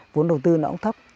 vốn đầu tư nó cũng thấp